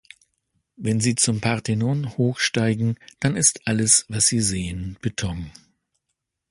Wenn Sie zum Parthenon hochsteigen, dann ist alles, was Sie sehen Beton.